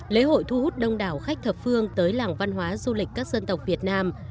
lễ hội thu hút đông đảo khách thập phương tới làng văn hóa du lịch các dân tộc việt nam